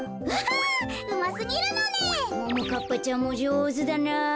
ももかっぱちゃんもじょうずだなぁ。